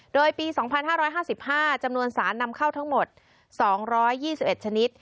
โดยปีสองพันห้าร้อยห้าสิบห้าจำนวนสารนำเข้าทั้งหมดสองร้อยยี่สิบเอ็ดชนิด